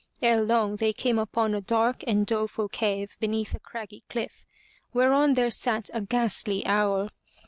Ere long they came upon a dark and doleful cave beneath a craggy cliff, whereon there sat a ghastly owl.